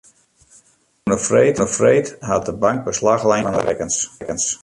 Ofrûne freed hat de bank beslach lein op ien fan de rekkens.